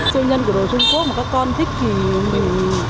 siêu nhân của đội trung quốc mà các con thích thì mình